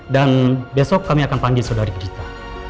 dan besok kami akan panggil saudari kita